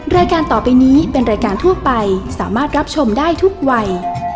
รายการต่อไปนี้เป็นรายการทั่วไปสามารถรับชมได้ทุกวัย